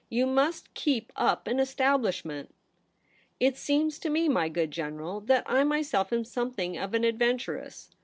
' You must keep up an estab lishment.' ' It seems to me, my good General, that I myself am something of an adventuress.